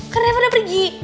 kan river udah pergi